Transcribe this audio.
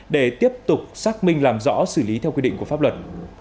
để tiếp tục xác minh làm rõ xử lý theo quy định của pháp luật